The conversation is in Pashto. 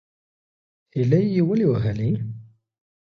_هيلۍ يې ولې وهلې؟